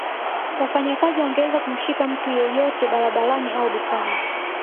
Wafanyakazi wangeweza kumshika mtu yeyote barabarani au dukani